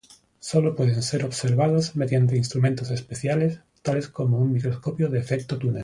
Solo pueden ser observados mediante instrumentos especiales tales como un microscopio de efecto túnel.